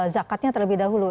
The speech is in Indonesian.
zakatnya terlebih dahulu